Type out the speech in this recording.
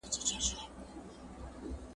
دوی ته روښانه راتلونکی ورکړئ